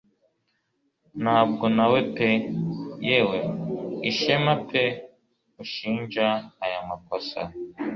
Ntabwo nawe pe yewe Ishema pe ushinja aya makosa